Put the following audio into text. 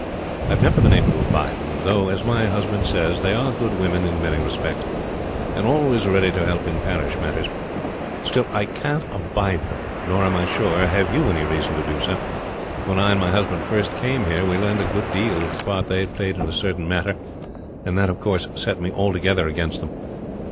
I have never been able to abide them, though, as my husband says, they are good women in many respects, and always ready to help in parish matters. Still I can't abide them, nor I am sure have you any reason to do so; for when I and my husband first came here we learned a good deal of the part they had played in a certain matter, and that of course set me altogether against them.